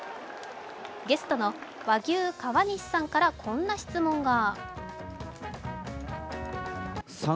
ゲストの和牛・川西さんから、こんな質問が。